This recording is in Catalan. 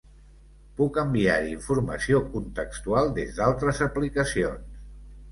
Puc enviar-hi informació contextual des d' altres aplicacions.